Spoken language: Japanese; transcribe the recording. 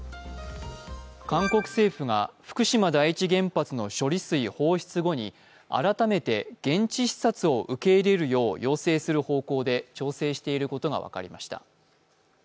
韓国政府が福島第一原発の処理水放出後に改めて現地視察を受け入れるよう要請する方向で調整していることが分かりました。